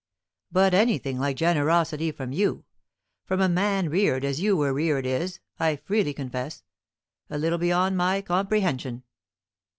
But anything like generosity from you, from a man reared as you were reared, is, I freely confess, a little beyond my comprehension."